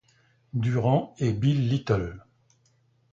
Durant et Bill Little.